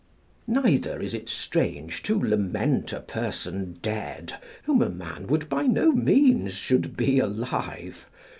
D.W.] Neither is it strange to lament a person dead whom a man would by no means should be alive.